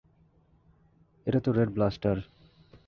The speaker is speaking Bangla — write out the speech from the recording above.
এটা তো রেড ব্লাস্টার।